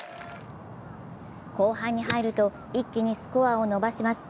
後半に入ると、一気にスコアを伸ばします。